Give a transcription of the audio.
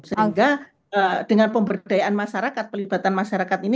sehingga dengan pemberdayaan masyarakat pelibatan masyarakat ini